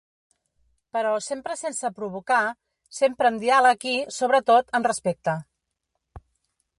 Però sempre sense provocar, sempre amb diàleg i, sobretot, amb respecte.